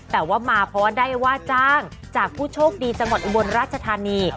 แต่ว่ามาเพราะว่าได้ว่าจ้างจากผู้โชคดีจังหวัดอุบลราชธานี